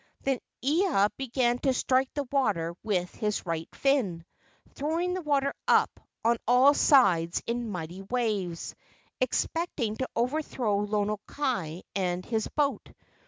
Then Ea began to strike the water with his right fin, throwing the water up on all sides in mighty waves, expecting to overthrow Lono kai and his boat.